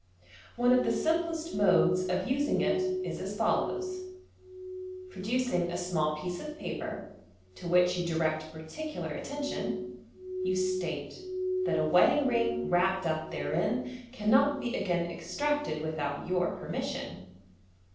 One of the simplest modes of using it is as follows : Producing a small piece of paper, to which you direct particular attention, you •tate that a wedding ring wrapped up therein cannot be again extracted without your permission.